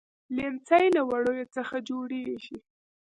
ليمڅی له وړيو څخه جوړيږي.